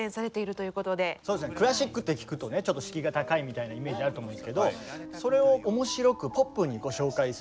そうですね「クラシック」って聞くとねちょっと敷居が高いみたいなイメージあると思うんですけどそれを面白くポップにご紹介する。